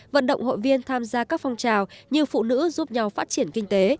vận động hội viên tham gia các phong trào như phụ nữ giúp nhau phát triển kinh tế